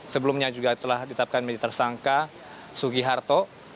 sebelumnya juga telah ditetapkan menjadi tersangka sugi harto